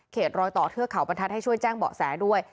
รอยต่อเทือกเขาบรรทัศน์ให้ช่วยแจ้งเบาะแสด้วย